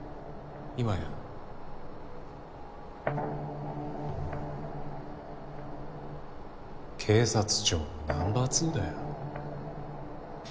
今や警察庁のナンバー２だよ。